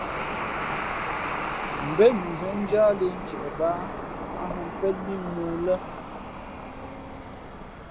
̀mbén mʉnzhwē njāʼlī ntie bāā ǎ hᾱ pēn mbí mōō lά.